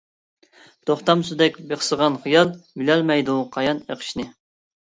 توختام سۇدەك بىخسىغان خىيال، بىلەلمەيدۇ قايان ئېقىشنى.